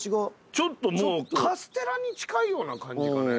ちょっともうカステラに近いような感じかね？